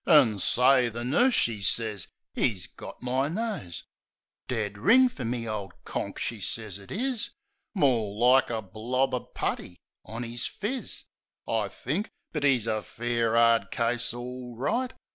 An', say, the nurse she sez 'e's got my nose! Dead ring fer me ole conk, she sez it is. More like a blob of putty on 'is phiz, I think. But 'e's a fair 'ard case, all right.